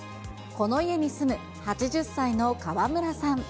この家に住む、８０歳の川村さん。